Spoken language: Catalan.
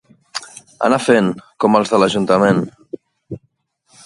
Anar fent, com els de l'ajuntament.